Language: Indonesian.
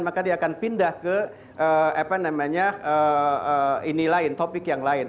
maka dia akan pindah ke lain topik yang lain